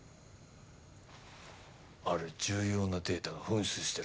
ある重要なデータが紛失してるらしい。